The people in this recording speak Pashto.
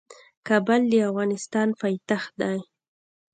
کابل د افغانستان پايتخت دی.